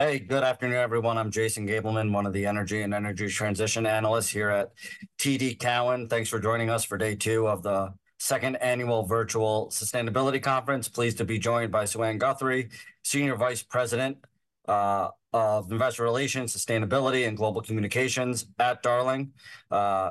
Hey, good afternoon, everyone. I'm Jason Gabelman, one of the energy and energy transition analysts here at TD Cowen. Thanks for joining us for day 2 of the second annual Virtual Sustainability Conference. Pleased to be joined by Suann Guthrie, Senior Vice President of Investor Relations, Sustainability, and Global Communications at Darling.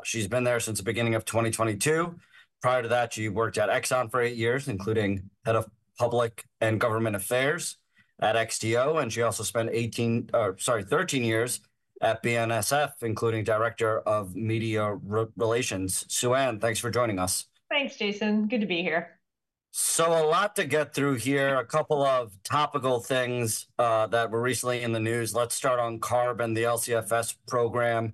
She's been there since the beginning of 2022. Prior to that, she worked at Exxon for 8 years, including Head of Public and Government Affairs at XTO, and she also spent 13 years at BNSF, including Director of Media Relations. Suann, thanks for joining us. Thanks, Jason. Good to be here. So a lot to get through here. A couple of topical things that were recently in the news. Let's start on CARB and the LCFS program.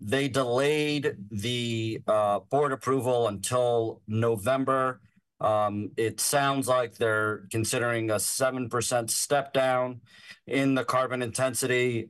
They delayed the board approval until November. It sounds like they're considering a 7% step-down in the carbon intensity.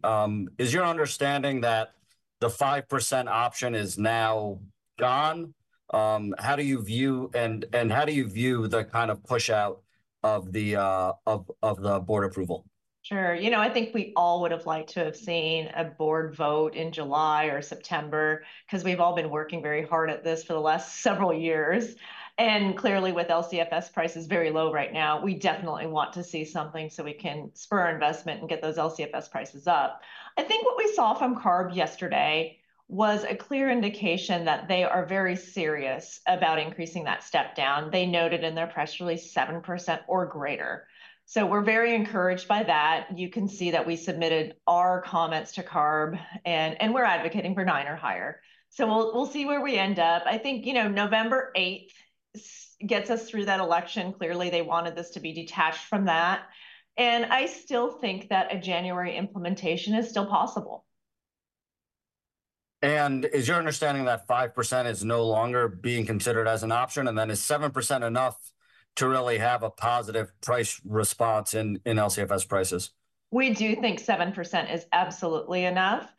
Is your understanding that the 5% option is now gone? How do you view... And how do you view the kind of push-out of the board approval? Sure. You know, I think we all would've liked to have seen a board vote in July or September, 'cause we've all been working very hard at this for the last several years. And clearly, with LCFS prices very low right now, we definitely want to see something, so we can spur investment and get those LCFS prices up. I think what we saw from CARB yesterday was a clear indication that they are very serious about increasing that step-down. They noted in their press release 7% or greater, so we're very encouraged by that. You can see that we submitted our comments to CARB, and we're advocating for nine or higher. So we'll see where we end up. I think, you know, November 8th gets us through that election. Clearly, they wanted this to be detached from that, and I still think that a January implementation is still possible. Is your understanding that 5% is no longer being considered as an option? And then is 7% enough to really have a positive price response in LCFS prices? We do think 7% is absolutely enough.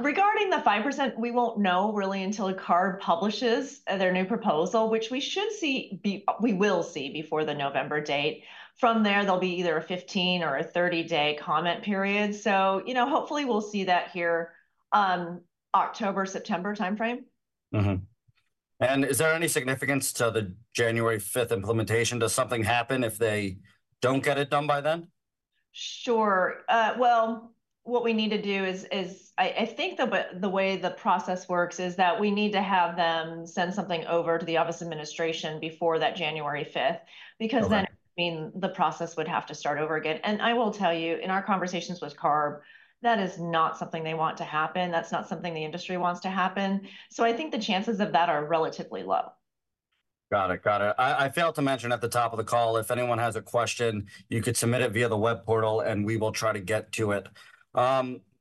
Regarding the 5%, we won't know really until CARB publishes their new proposal, which we will see before the November date. From there, there'll be either a 15- or a 30-day comment period, so, you know, hopefully we'll see that here, October, September timeframe. Mm-hmm. And is there any significance to the January 5th implementation? Does something happen if they don't get it done by then? Sure. Well, what we need to do is the way the process works is that we need to have them send something over to the Office of Administration before that January 5th- Okay... because then, I mean, the process would have to start over again. And I will tell you, in our conversations with CARB, that is not something they want to happen. That's not something the industry wants to happen, so I think the chances of that are relatively low. Got it. Got it. I, I failed to mention at the top of the call, if anyone has a question, you could submit it via the web portal, and we will try to get to it. The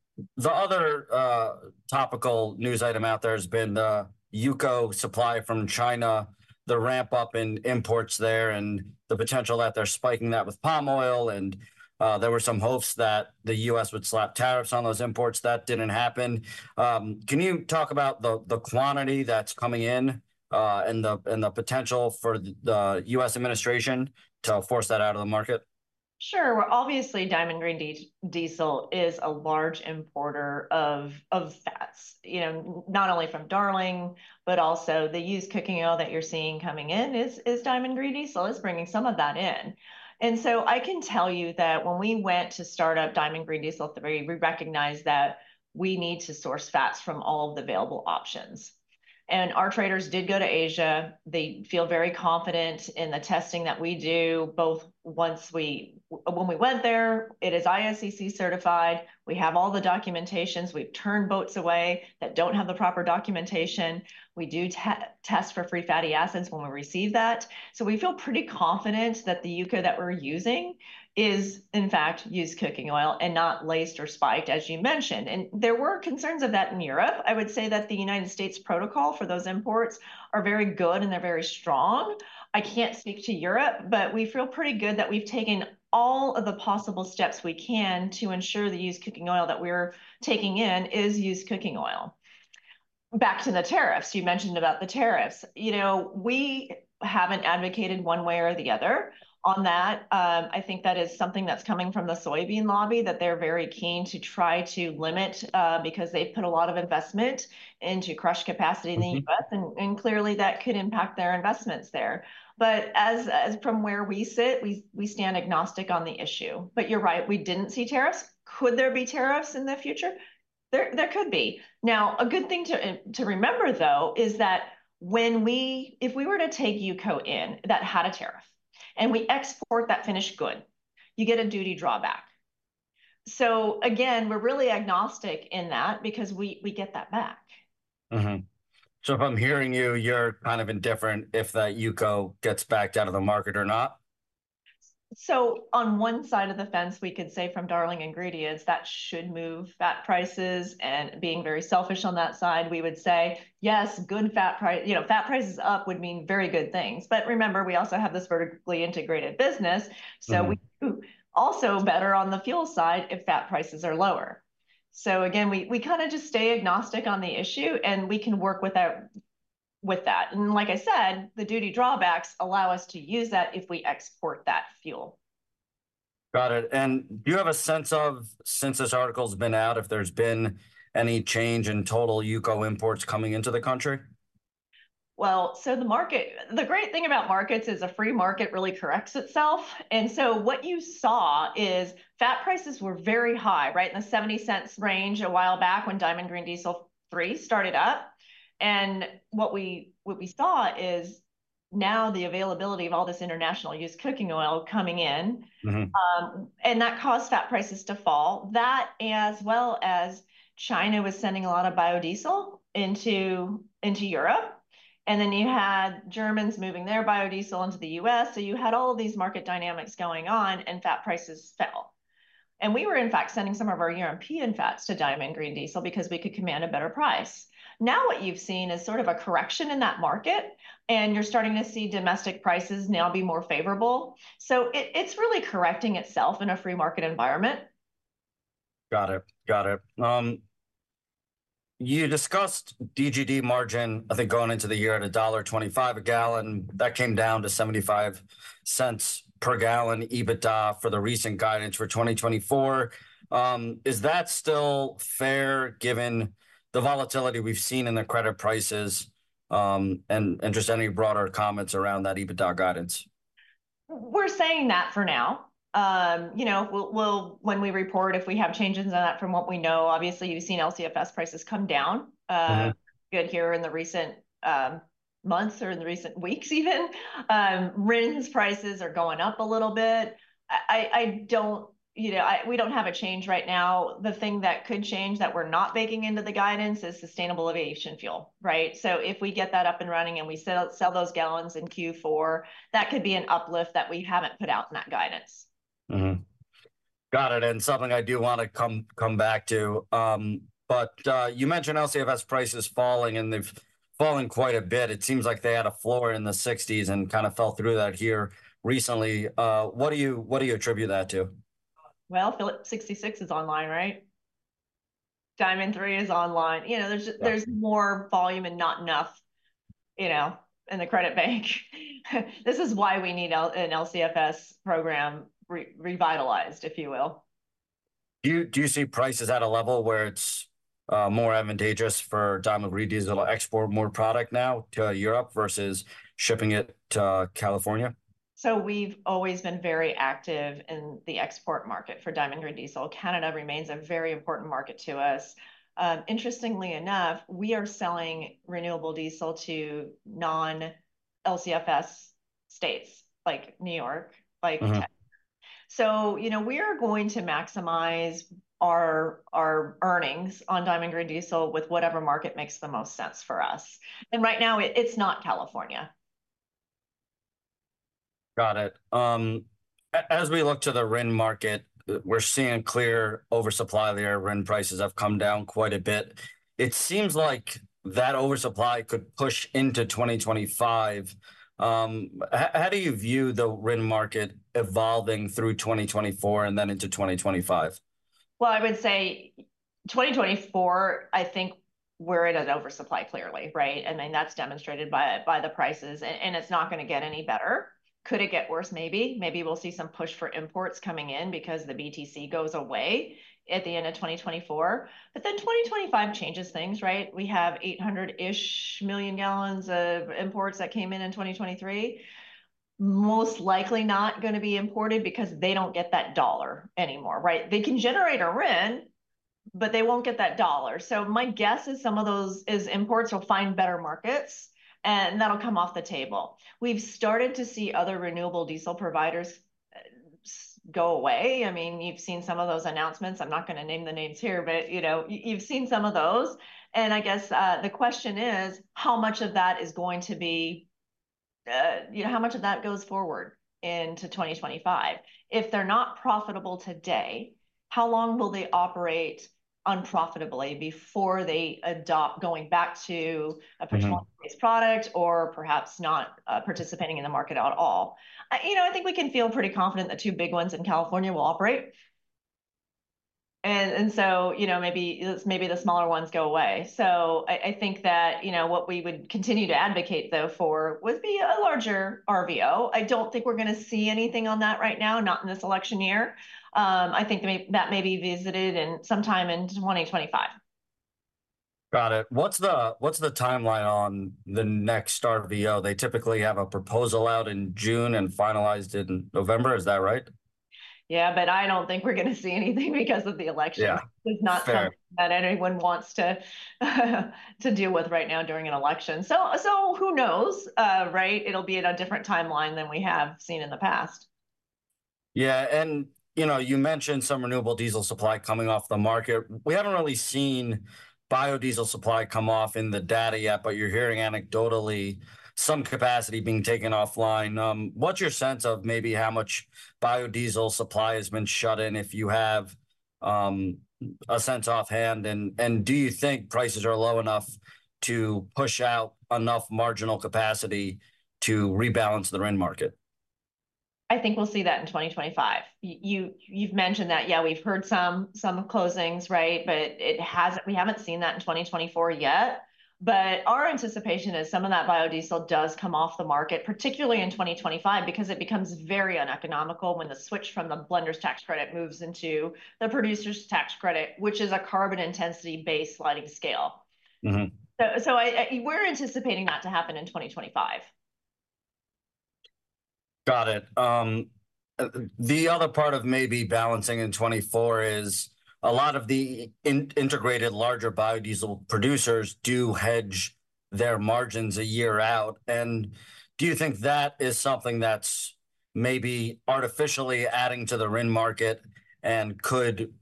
other topical news item out there has been the UCO supply from China, the ramp-up in imports there, and the potential that they're spiking that with palm oil, and there were some hopes that the U.S. would slap tariffs on those imports. That didn't happen. Can you talk about the quantity that's coming in, and the potential for the U.S. administration to force that out of the market? Sure. Well, obviously, Diamond Green Diesel is a large importer of fats. You know, not only from Darling, but also, the used cooking oil that you're seeing coming in is Diamond Green Diesel bringing some of that in. And so I can tell you that when we went to start up Diamond Green Diesel, we recognized that we need to source fats from all of the available options, and our traders did go to Asia. They feel very confident in the testing that we do, both once we went there, it is ISCC-certified. We have all the documentation. We've turned boats away that don't have the proper documentation. We do test for free fatty acids when we receive that, so we feel pretty confident that the UCO that we're using is, in fact, used cooking oil and not laced or spiked, as you mentioned. And there were concerns of that in Europe. I would say that the United States protocol for those imports are very good, and they're very strong. I can't speak to Europe, but we feel pretty good that we've taken all of the possible steps we can to ensure the used cooking oil that we're taking in is used cooking oil. Back to the tariffs. You mentioned about the tariffs. You know, we haven't advocated one way or the other on that. I think that is something that's coming from the soybean lobby, that they're very keen to try to limit, because they've put a lot of investment into crush capacity in the US- Mm-hmm... and clearly, that could impact their investments there. But as from where we sit, we stand agnostic on the issue. But you're right, we didn't see tariffs. Could there be tariffs in the future? There could be. Now, a good thing to remember, though, is that if we were to take UCO in that had a tariff, and we export that finished good, you get a duty drawback. So again, we're really agnostic in that because we get that back. Mm-hmm. So if I'm hearing you, you're kind of indifferent if that UCO gets backed out of the market or not? So on one side of the fence, we could say, from Darling Ingredients, that should move fat prices, and being very selfish on that side, we would say, "Yes, good fat price..." You know, fat prices up would mean very good things. But remember, we also have this vertically integrated business- Mm-hmm... so we do also better on the fuel side if fat prices are lower. So again, we kind of just stay agnostic on the issue, and we can work without the-... with that, and like I said, the duty drawbacks allow us to use that if we export that fuel. Got it. Do you have a sense of, since this article's been out, if there's been any change in total UCO imports coming into the country? Well, so the great thing about markets is a free market really corrects itself, and so what you saw is fat prices were very high, right in the $0.70 range a while back when Diamond Green Diesel 3 started up. And what we, what we saw is now the availability of all this international used cooking oil coming in- Mm-hmm... and that caused fat prices to fall. That, as well as China was sending a lot of biodiesel into Europe, and then you had Germans moving their biodiesel into the U.S., so you had all these market dynamics going on, and fat prices fell. And we were, in fact, sending some of our European fats to Diamond Green Diesel because we could command a better price. Now what you've seen is sort of a correction in that market, and you're starting to see domestic prices now be more favorable. So it's really correcting itself in a free market environment. Got it. Got it. You discussed DGD margin, I think going into the year at $1.25 a gallon. That came down to $0.75 per gallon EBITDA for the recent guidance for 2024. Is that still fair, given the volatility we've seen in the credit prices, and, and just any broader comments around that EBITDA guidance? We're saying that for now. You know, we'll. When we report, if we have changes in that from what we know, obviously you've seen LCFS prices come down. Mm-hmm... good here in the recent months or in the recent weeks even. RINs prices are going up a little bit. I don't... You know, we don't have a change right now. The thing that could change that we're not baking into the guidance is sustainable aviation fuel, right? So if we get that up and running, and we sell those gallons in Q4, that could be an uplift that we haven't put out in that guidance. Mm-hmm. Got it, and something I do wanna come back to. But you mentioned LCFS prices falling, and they've fallen quite a bit. It seems like they had a floor in the $60s and kind of fell through that here recently. What do you attribute that to? Well, Phillips 66 is online, right? Diamond 3 is online. You know, there's just- Yeah... there's more volume and not enough, you know, in the credit bank. This is why we need an LCFS program revitalized, if you will. Do you see prices at a level where it's more advantageous for Diamond Green Diesel to export more product now to Europe versus shipping it to California? So we've always been very active in the export market for Diamond Green Diesel. Canada remains a very important market to us. Interestingly enough, we are selling renewable diesel to non-LCFS states, like New York, like Texas. Mm-hmm. So, you know, we are going to maximize our earnings on Diamond Green Diesel with whatever market makes the most sense for us, and right now it's not California. Got it. As we look to the RIN market, we're seeing clear oversupply there. RIN prices have come down quite a bit. It seems like that oversupply could push into 2025. How do you view the RIN market evolving through 2024 and then into 2025? Well, I would say 2024, I think we're at an oversupply clearly, right? I mean, that's demonstrated by the prices, and it's not gonna get any better. Could it get worse? Maybe. Maybe we'll see some push for imports coming in because the BTC goes away at the end of 2024. But then 2025 changes things, right? We have 800-ish million gallons of imports that came in in 2023. Most likely not gonna be imported because they don't get that $1 anymore, right? They can generate a RIN, but they won't get that $1. So my guess is some of those imports will find better markets, and that'll come off the table. We've started to see other renewable diesel providers go away. I mean, you've seen some of those announcements. I'm not gonna name the names here, but, you know, you, you've seen some of those, and I guess, the question is, how much of that is going to be, you know, how much of that goes forward into 2025? If they're not profitable today, how long will they operate unprofitably before they adopt going back to- Mm-hmm... a petroleum-based product or perhaps not participating in the market at all? You know, I think we can feel pretty confident the two big ones in California will operate, and so, you know, maybe it's... maybe the smaller ones go away. So I think that, you know, what we would continue to advocate, though, for would be a larger RVO. I don't think we're gonna see anything on that right now, not in this election year. I think that may be visited sometime in 2025. Got it. What's the timeline on the next RVO? They typically have a proposal out in June and finalized in November, is that right? Yeah, but I don't think we're gonna see anything because of the election. Yeah, fair. It's not something that anyone wants to deal with right now during an election. So, who knows, right? It'll be at a different timeline than we have seen in the past. Yeah, and, you know, you mentioned some renewable diesel supply coming off the market. We haven't really seen biodiesel supply come off in the data yet, but you're hearing anecdotally some capacity being taken offline. What's your sense of maybe how much biodiesel supply has been shut in, if you have a sense offhand, and, and do you think prices are low enough to push out enough marginal capacity to rebalance the RIN market? ... I think we'll see that in 2025. You've mentioned that, yeah, we've heard some closings, right? But we haven't seen that in 2024 yet. But our anticipation is some of that biodiesel does come off the market, particularly in 2025, because it becomes very uneconomical when the switch from the Blenders Tax Credit moves into the Producers Tax Credit, which is a carbon intensity-based sliding scale. Mm-hmm. We're anticipating that to happen in 2025. Got it. The other part of maybe balancing in 2024 is a lot of the integrated larger biodiesel producers do hedge their margins a year out, and do you think that is something that's maybe artificially adding to the RIN market, and could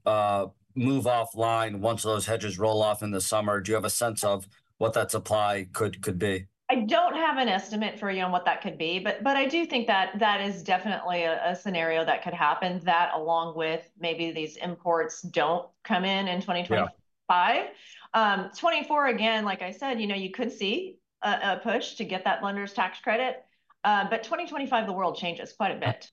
move offline once those hedges roll off in the summer? Do you have a sense of what that supply could be? I don't have an estimate for you on what that could be, but I do think that is definitely a scenario that could happen, that along with maybe these imports don't come in in 2025. Yeah. 2024, again, like I said, you know, you could see a push to get that Blenders Tax Credit. But 2025, the world changes quite a bit.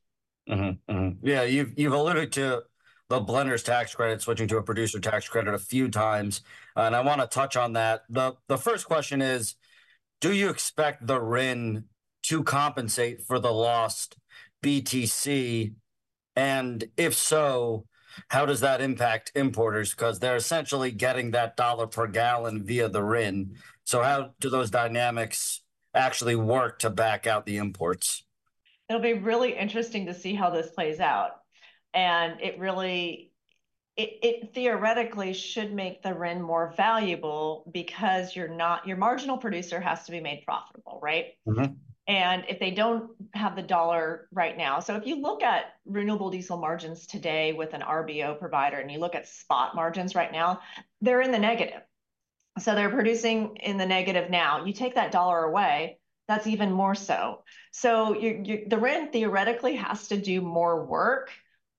Mm-hmm. Mm-hmm. Yeah, you've alluded to the Blenders Tax Credit switching to a Producers Tax Credit a few times, and I wanna touch on that. The first question is: Do you expect the RIN to compensate for the lost BTC? And if so, how does that impact importers? 'Cause they're essentially getting that $1 per gallon via the RIN. So how do those dynamics actually work to back out the imports? It'll be really interesting to see how this plays out, and it really... It theoretically should make the RIN more valuable because you're not... Your marginal producer has to be made profitable, right? Mm-hmm. And if they don't have the dollar right now... So if you look at renewable diesel margins today with an RVO provider, and you look at spot margins right now, they're in the negative. So they're producing in the negative now. You take that dollar away, that's even more so. So the RIN theoretically has to do more work,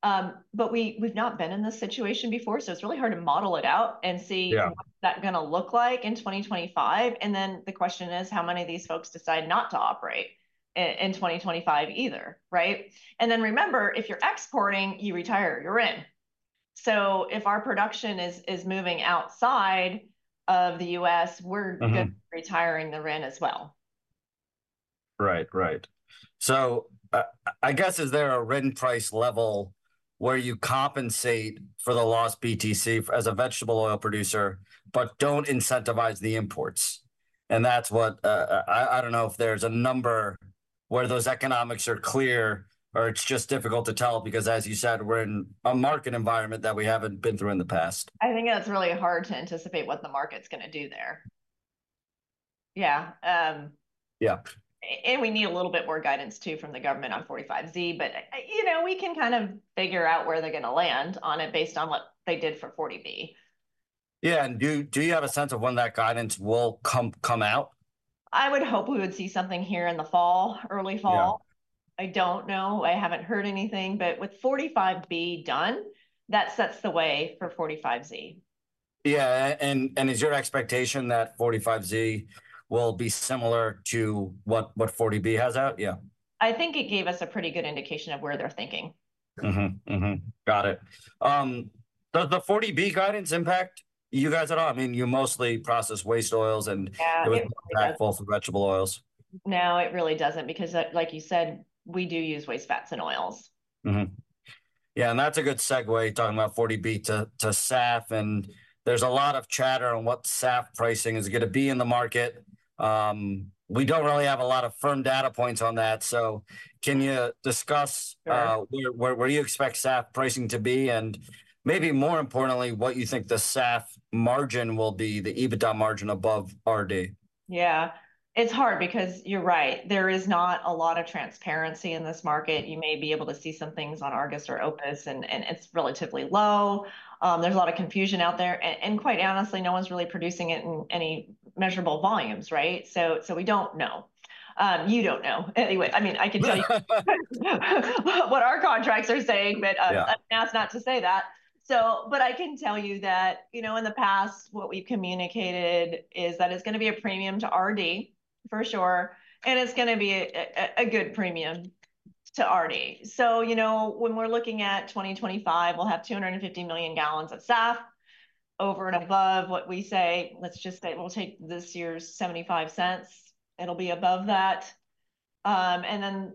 but we've not been in this situation before, so it's really hard to model it out and see- Yeah... what's that gonna look like in 2025? And then the question is, how many of these folks decide not to operate in 2025 either, right? And then remember, if you're exporting, you retire your RIN. So if our production is moving outside of the U.S.- Mm-hmm... we're retiring the RIN as well. Right. Right. So, I guess is there a RIN price level where you compensate for the lost BTC as a vegetable oil producer, but don't incentivize the imports? And that's what, I don't know if there's a number where those economics are clear, or it's just difficult to tell because, as you said, we're in a market environment that we haven't been through in the past. I think that's really hard to anticipate what the market's gonna do there. Yeah, Yeah. We need a little bit more guidance, too, from the government on 45Z, but, you know, we can kind of figure out where they're gonna land on it based on what they did for 40B. Yeah, and do you have a sense of when that guidance will come out? I would hope we would see something here in the fall, early fall. Yeah. I don't know. I haven't heard anything, but with 45B done, that sets the way for 45Z. Yeah, and is your expectation that 45Z will be similar to what 40B has out? Yeah. I think it gave us a pretty good indication of where they're thinking. Mm-hmm. Mm-hmm. Got it. Does the 40B guidance impact you guys at all? I mean, you mostly process waste oils and- Yeah, it does.... full of vegetable oils. No, it really doesn't because, like, like you said, we do use waste fats and oils. Mm-hmm. Yeah, and that's a good segue, talking about 40B to, to SAF, and there's a lot of chatter on what SAF pricing is gonna be in the market. We don't really have a lot of firm data points on that, so can you discuss- Sure... where you expect SAF pricing to be, and maybe more importantly, what you think the SAF margin will be, the EBITDA margin above RD? Yeah. It's hard because, you're right, there is not a lot of transparency in this market. You may be able to see some things on Argus or OPIS, and it's relatively low. There's a lot of confusion out there, and quite honestly, no one's really producing it in any measurable volumes, right? We don't know. You don't know. Anyway, I mean, I can tell you what our contracts are saying, but Yeah... I'm asked not to say that. So but I can tell you that, you know, in the past, what we've communicated is that it's gonna be a premium to RD, for sure, and it's gonna be a good premium to RD. So, you know, when we're looking at 2025, we'll have 250 million gallons of SAF over and above what we say. Let's just say we'll take this year's $0.75. It'll be above that. And then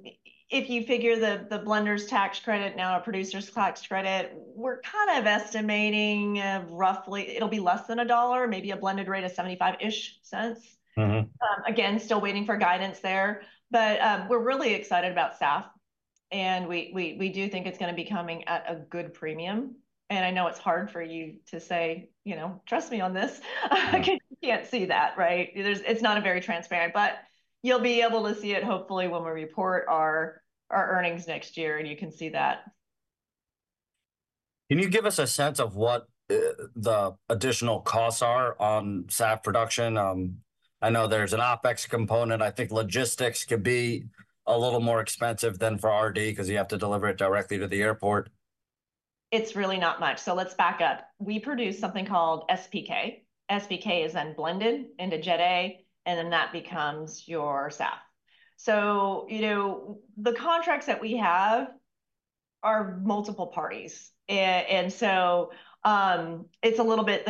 if you figure the Blenders Tax Credit, now a Producers Tax Credit, we're kind of estimating, roughly... It'll be less than $1, maybe a blended rate of $0.75-ish. Mm-hmm. Again, still waiting for guidance there, but we're really excited about SAF, and we do think it's gonna be coming at a good premium. I know it's hard for you to say, you know, "Trust me on this. Mm... 'cause you can't see that, right? It's not a very transparent, but you'll be able to see it hopefully when we report our, our earnings next year, and you can see that. Can you give us a sense of what, the additional costs are on SAF production? I know there's an OpEx component. I think logistics could be a little more expensive than for RD, 'cause you have to deliver it directly to the airport.... it's really not much, so let's back up. We produce something called SPK. SPK is then blended into Jet A, and then that becomes your SAF. So, you know, the contracts that we have are multiple parties. And so, it's a little bit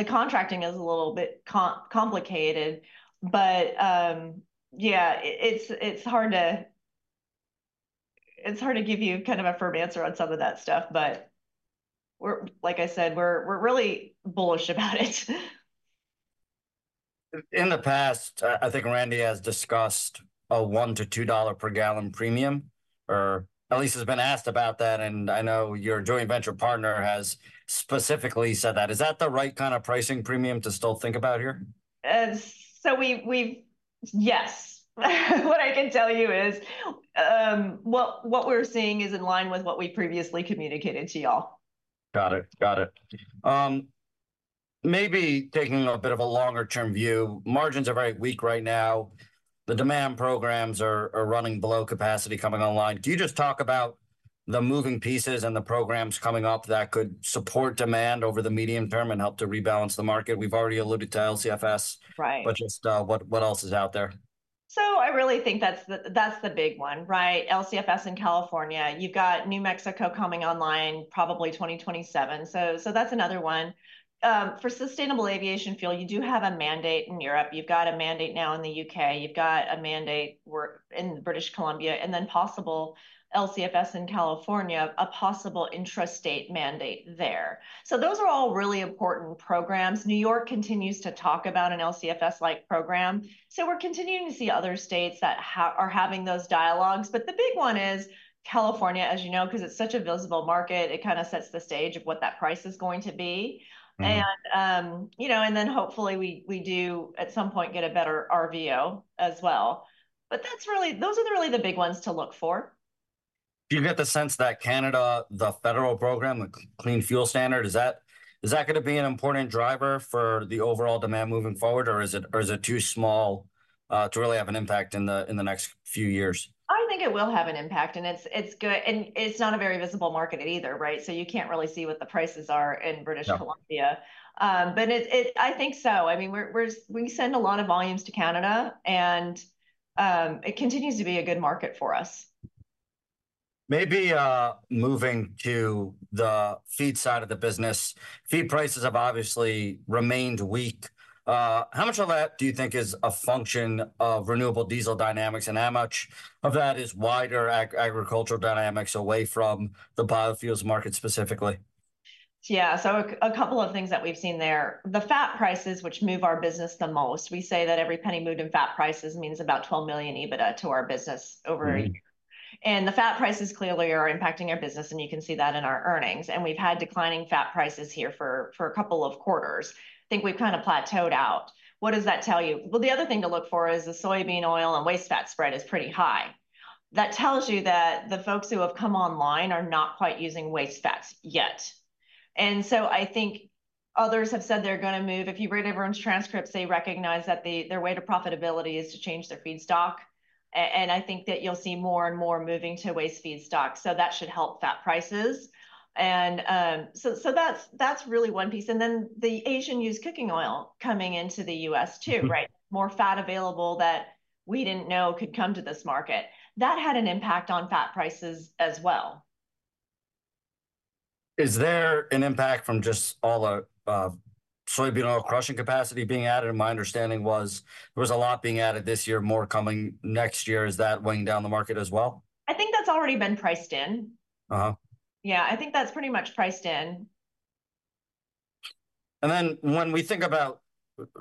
complicated, but it's hard to give you kind of a firm answer on some of that stuff, but like I said, we're really bullish about it. In the past, I think Randy has discussed a $1-$2 per gallon premium, or at least has been asked about that, and I know your joint venture partner has specifically said that. Is that the right kind of pricing premium to still think about here? So, we've... Yes. What I can tell you is, what we're seeing is in line with what we previously communicated to y'all. Got it. Got it. Maybe taking a bit of a longer-term view, margins are very weak right now. The demand programs are running below capacity coming online. Can you just talk about the moving pieces and the programs coming up that could support demand over the medium term and help to rebalance the market? We've already alluded to LCFS- Right... but just, what else is out there? So I really think that's the, that's the big one, right? LCFS in California. You've got New Mexico coming online probably 2027, so, so that's another one. For sustainable aviation fuel, you do have a mandate in Europe. You've got a mandate now in the U.K. You've got a mandate working in British Columbia, and then possible LCFS in California, a possible intrastate mandate there. So those are all really important programs. New York continues to talk about an LCFS-like program, so we're continuing to see other states that are having those dialogues. But the big one is California, as you know, 'cause it's such a visible market, it kind of sets the stage of what that price is going to be. Mm-hmm. You know, and then hopefully we do at some point get a better RVO as well. But that's really... Those are really the big ones to look for. Do you get the sense that Canada, the federal program, the Clean Fuel Standard, is that gonna be an important driver for the overall demand moving forward, or is it too small to really have an impact in the next few years? I think it will have an impact, and it's not a very visible market either, right? So you can't really see what the prices are in British Columbia. No. But it, I think so. I mean, we send a lot of volumes to Canada, and it continues to be a good market for us. Maybe, moving to the feed side of the business, feed prices have obviously remained weak. How much of that do you think is a function of renewable diesel dynamics, and how much of that is wider agricultural dynamics away from the biofuels market specifically? Yeah, so a couple of things that we've seen there. The fat prices, which move our business the most, we say that every penny moved in fat prices means about $12 million EBITDA to our business over a year. Mm-hmm. And the fat prices clearly are impacting our business, and you can see that in our earnings, and we've had declining fat prices here for a couple of quarters. Think we've kind of plateaued out. What does that tell you? Well, the other thing to look for is the soybean oil and waste fat spread is pretty high. That tells you that the folks who have come online are not quite using waste fat yet. And so I think others have said they're gonna move. If you read everyone's transcripts, they recognize that the, their way to profitability is to change their feedstock, and I think that you'll see more and more moving to waste feedstock, so that should help fat prices. And so that's really one piece, and then the Asian used cooking oil coming into the U.S. too- Mm-hmm... right? More fat available that we didn't know could come to this market. That had an impact on fat prices as well. Is there an impact from just all the soybean oil crushing capacity being added? And my understanding was there was a lot being added this year, more coming next year. Is that weighing down the market as well? I think that's already been priced in. Uh-huh. Yeah, I think that's pretty much priced in. And then when we think about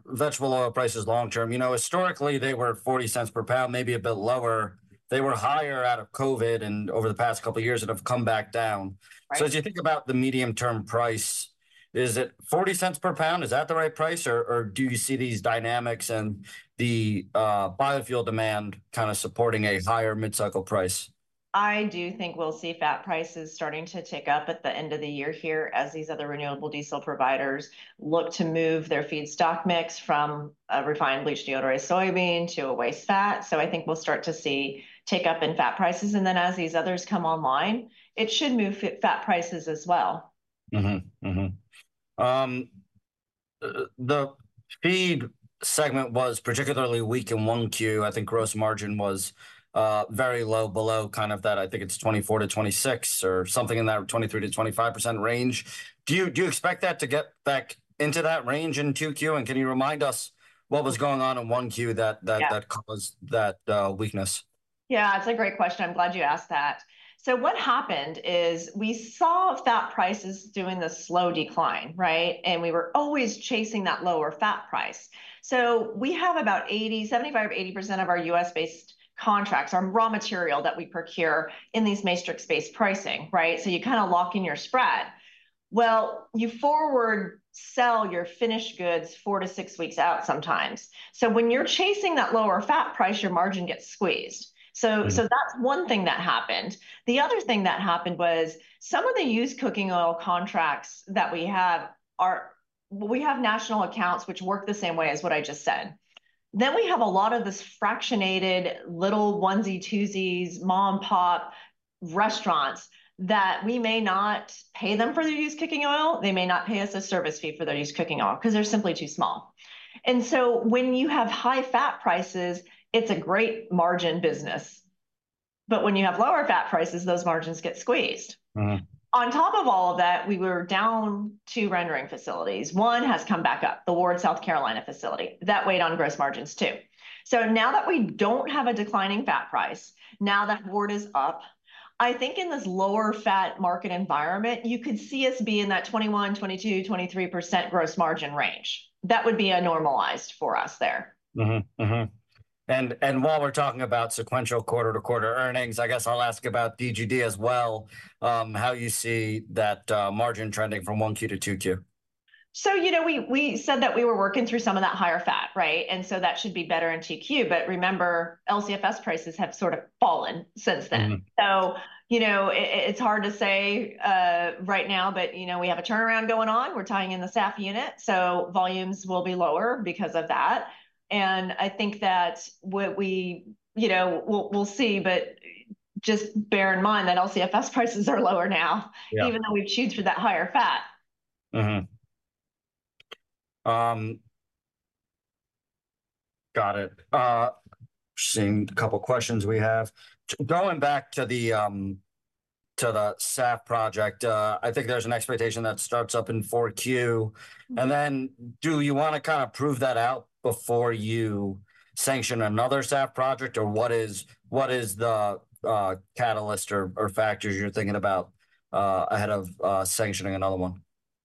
vegetable oil prices long term, you know, historically they were $0.40 per pound, maybe a bit lower. They were higher out of COVID, and over the past couple years it have come back down. Right. As you think about the medium-term price, is it $0.40 per pound? Is that the right price, or do you see these dynamics and the biofuel demand kind of supporting a higher mid-cycle price? I do think we'll see fat prices starting to tick up at the end of the year here as these other renewable diesel providers look to move their feedstock mix from a refined bleached deodorized soybean to a waste fat. So I think we'll start to see tick up in fat prices, and then as these others come online, it should move fat prices as well. Mm-hmm. Mm-hmm. The feed segment was particularly weak in 1Q. I think gross margin was very low below, kind of, that. I think it's 24-26 or something in that 23%-25% range. Do you expect that to get back into that range in 2Q? And can you remind us what was going on in 1Q that- Yeah... that caused that weakness? Yeah, it's a great question. I'm glad you asked that. So what happened is we saw fat prices doing this slow decline, right? And we were always chasing that lower fat price. So we have about 80, 75 or 80% of our U.S.-based contracts, our raw material that we procure, in these market-based pricing, right? So you kind of lock in your spread. Well, you forward sell your finished goods four to six weeks out sometimes. So when you're chasing that lower fat price, your margin gets squeezed. Mm-hmm. So that's one thing that happened. The other thing that happened was some of the used cooking oil contracts that we have are. We have national accounts which work the same way as what I just said. Then we have a lot of this fractionated, little onesie, twosies, mom-and-pop restaurants that we may not pay them for their used cooking oil, they may not pay us a service fee for their used cooking oil, 'cause they're simply too small. So when you have high fat prices, it's a great margin business, but when you have lower fat prices, those margins get squeezed. Mm-hmm. On top of all of that, we were down 2 rendering facilities. One has come back up, the Ward, South Carolina facility. That weighed on gross margins, too. So now that we don't have a declining fat price, now that Ward is up, I think in this lower fat market environment, you could see us be in that 21%-23% gross margin range. That would be a normalized for us there. Mm-hmm. Mm-hmm. And while we're talking about sequential quarter-to-quarter earnings, I guess I'll ask about DGD as well, how you see that margin trending from 1Q to 2Q? You know, we said that we were working through some of that higher fat, right? So that should be better in 2Q, but remember, LCFS prices have sort of fallen since then. Mm-hmm. So, you know, it's hard to say right now, but, you know, we have a turnaround going on. We're tying in the SAF unit, so volumes will be lower because of that, and I think that what we... You know, we'll, we'll see, but just bear in mind that LCFS prices are lower now- Yeah... even though we choose for that higher fat. Mm-hmm. Got it. Just seeing a couple questions we have. Going back to the SAF project, I think there's an expectation that starts up in 4Q. Mm-hmm. Do you wanna kind of prove that out before you sanction another SAF project, or what is the catalyst or factors you're thinking about ahead of sanctioning another one?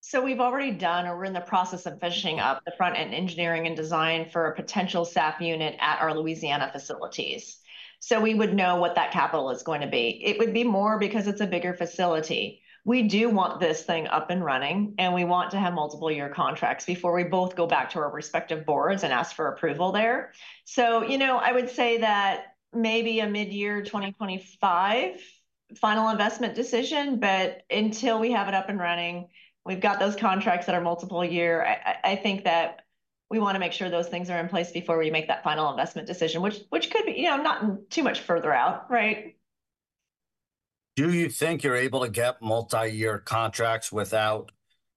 So we've already done or we're in the process of finishing up the front-end engineering and design for a potential SAF unit at our Louisiana facilities, so we would know what that capital is going to be. It would be more because it's a bigger facility. We do want this thing up and running, and we want to have multiple year contracts before we both go back to our respective boards and ask for approval there. So, you know, I would say that maybe a mid-year 2025 final investment decision, but until we have it up and running, we've got those contracts that are multiple year. I think that we wanna make sure those things are in place before we make that final investment decision, which could be, you know, not too much further out, right? Do you think you're able to get multi-year contracts without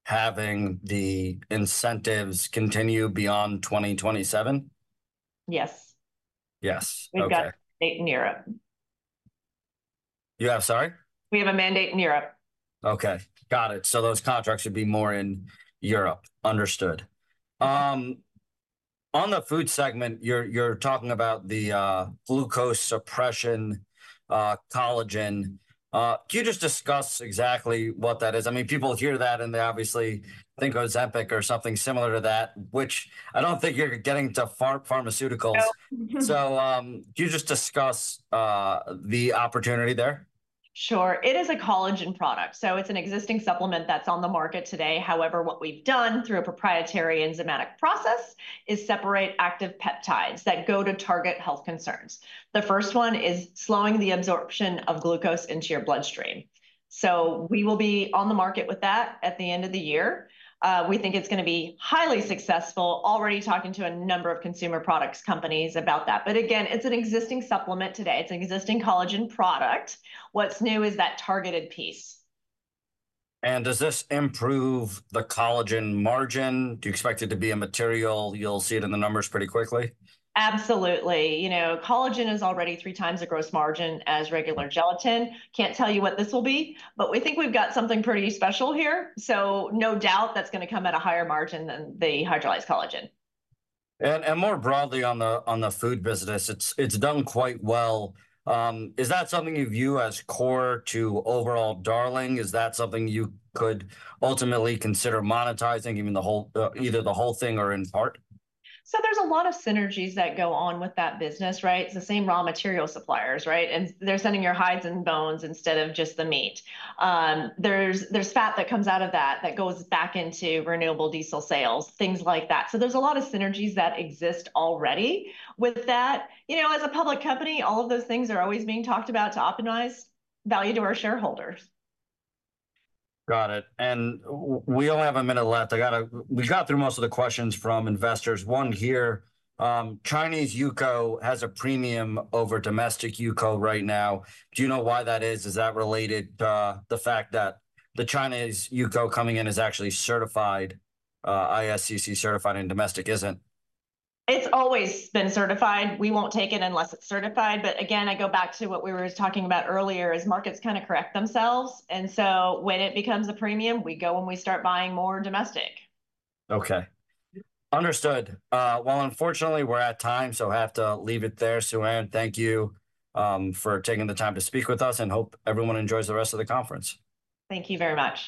having the incentives continue beyond 2027? Yes. Yes. Okay. We've got a mandate in Europe. You have sorry? We have a mandate in Europe. Okay, got it. So those contracts would be more in Europe. Understood. Mm-hmm. On the food segment, you're talking about the glucose suppression collagen. Can you just discuss exactly what that is? I mean, people hear that, and they obviously think Ozempic or something similar to that, which I don't think you're getting to pharmaceuticals. No. Can you just discuss the opportunity there? Sure. It is a collagen product, so it's an existing supplement that's on the market today. However, what we've done through a proprietary enzymatic process is separate active peptides that go to target health concerns. The first one is slowing the absorption of glucose into your bloodstream. So we will be on the market with that at the end of the year. We think it's gonna be highly successful. Already talking to a number of consumer products companies about that, but again, it's an existing supplement today. It's an existing collagen product. What's new is that targeted piece. Does this improve the collagen margin? Do you expect it to be a material you'll see it in the numbers pretty quickly? Absolutely. You know, collagen is already 3x the gross margin as regular gelatin. Can't tell you what this will be, but we think we've got something pretty special here, so no doubt that's gonna come at a higher margin than the hydrolyzed collagen. More broadly on the food business, it's done quite well. Is that something you view as core to overall Darling? Is that something you could ultimately consider monetizing, even the whole... either the whole thing or in part? So there's a lot of synergies that go on with that business, right? It's the same raw material suppliers, right? And they're sending you hides and bones instead of just the meat. There's fat that comes out of that, that goes back into renewable diesel sales, things like that. So there's a lot of synergies that exist already with that. You know, as a public company, all of those things are always being talked about to optimize value to our shareholders. Got it, and we only have a minute left. I gotta... We got through most of the questions from investors. One here, "Chinese UCO has a premium over domestic UCO right now. Do you know why that is? Is that related to the fact that the Chinese UCO coming in is actually certified, ISCC-certified, and domestic isn't? It's always been certified. We won't take it unless it's certified, but again, I go back to what we were talking about earlier, is markets kind of correct themselves. And so when it becomes a premium, we go and we start buying more domestic. Okay. Understood. Well, unfortunately, we're at time, so I have to leave it there. Suann, thank you for taking the time to speak with us, and hope everyone enjoys the rest of the conference. Thank you very much.